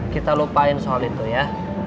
kita lupain soal itu ya